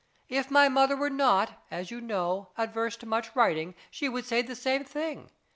If my mother were not, as you know, averse to much writing, she would say the same thing.